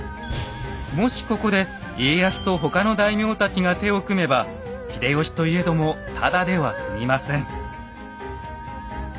もしここで家康と他の大名たちが手を組めば秀吉といえどもただではすみません。